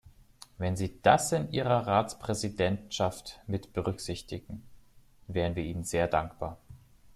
Wenn Sie das in Ihrer Ratspräsidentschaft mit berücksichtigen, wären wir Ihnen sehr dankbar.